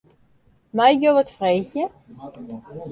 Mei ik jo wat freegje?